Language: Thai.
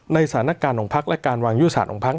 ในสถานการณ์ของภักดิ์และการวางยุทธ์ภักดิ์ของภักดิ์